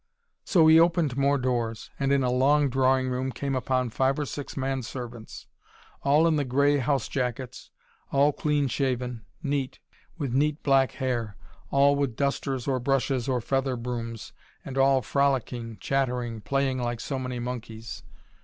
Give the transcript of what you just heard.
So he opened more doors, and in a long drawing room came upon five or six manservants, all in the grey house jackets, all clean shaven, neat, with neat black hair, all with dusters or brushes or feather brooms, and all frolicking, chattering, playing like so many monkeys.